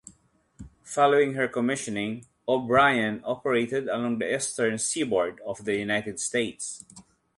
Following her commissioning, "O'Brien" operated along the Eastern Seaboard of the United States.